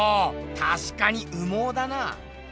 たしかに羽毛だな。